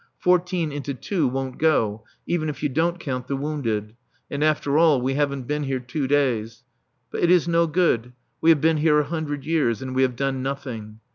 Fourteen into two won't go, even if you don't count the wounded. And, after all, we haven't been here two days. But it is no good. We have been here a hundred years, and we have done nothing.